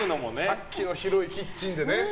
さっきの広いキッチンでね。